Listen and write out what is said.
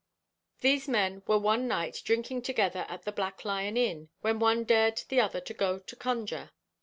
These men were one night drinking together at the Black Lion Inn, when one dared the other to go to conjure.